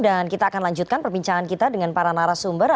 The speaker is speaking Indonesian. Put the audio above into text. dan kita akan lanjutkan perbincangan kita dengan para narasumber